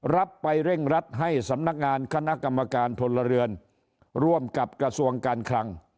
รับไปเร่งรัดให้สำนักงานคณะกรรมการพลเรือนร่วมกับกระทรวงการคลัง